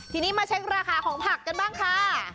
ทีนี้มาเช็คราคาของผักกันบ้างค่ะ